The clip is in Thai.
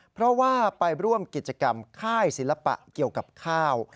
เพราะว่าไปร่วมกิจกรรมค่ายศิลปะเกี่ยวกับข้าว